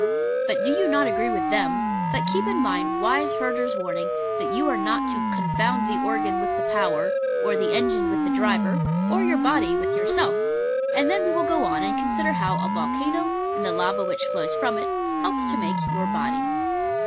But do you not agree with them: but keep in mind wise Herder's warning that you are not to "confound the organ with the power," or the engine with the driver, or your body with yourself: and then we will go on and consider how a volcano, and the lava which flows from it, helps to make your body.